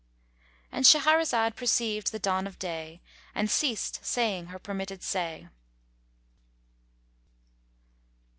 "—And Shahrazad perceived the dawn of day and ceased saying her permitted say.